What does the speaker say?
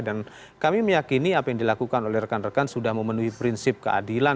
dan kami meyakini apa yang dilakukan oleh rekan rekan sudah memenuhi prinsip keadilan